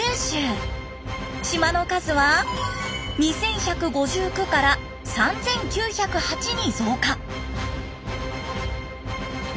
島の数は２，１５９から３，９０８に増加。